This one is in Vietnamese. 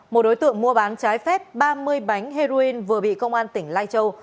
một đối tượng mua bán trái phép ba mươi bánh heroin vừa bị công an tỉnh lai châu